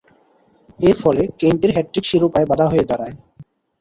এরফলে কেন্টের হ্যাট্রিক শিরোপায় বাঁধা হয়ে দাঁড়ায়।